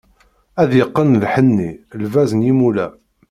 Ad yeqqen lḥenni, lbaz n yimula.